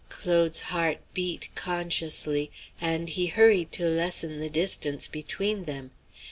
Claude's heart beat consciously, and he hurried to lessen the distance between them.